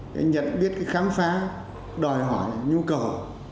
cái nhận biết cái khám phá đòi hỏi nhu cầu